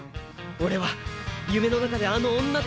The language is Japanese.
俺は、夢の中で、あの女と。